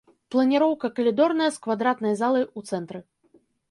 Планіроўка калідорная з квадратнай залай у цэнтры.